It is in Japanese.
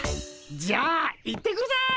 じゃあ行ってくるぜ！